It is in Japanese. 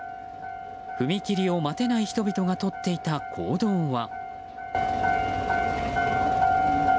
踏切を待てない人々がとっていた行動は。